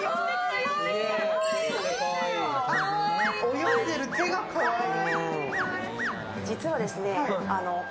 泳いでる手がかわいい！